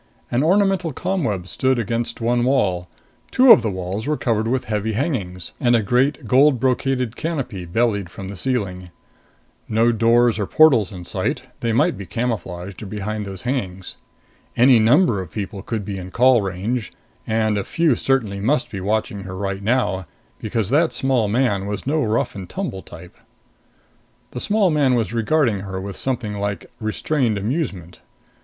An ornamental ComWeb stood against one wall. Two of the walls were covered with heavy hangings, and a great gold brocaded canopy bellied from the ceiling. No doors or portals in sight; they might be camouflaged, or behind those hangings. Any number of people could be in call range and a few certainly must be watching her right now, because that small man was no rough and tumble type. The small man was regarding her with something like restrained amusement.